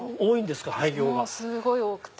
すごい多くて。